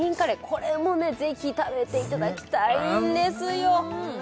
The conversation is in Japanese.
これもぜひ食べていただきたいんですよ